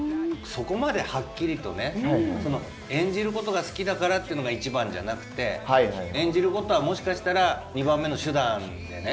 そこまではっきりとね演じることが好きだからっていうのが一番じゃなくて演じることはもしかしたら二番目の手段でね。